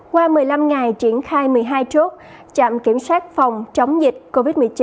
qua một mươi năm ngày triển khai một mươi hai chốt trạm kiểm soát phòng chống dịch covid một mươi chín